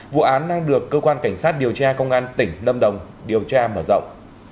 vụ án đang được cơ quan cảnh sát điều tra công an tỉnh lâm đồng điều tra mở rộng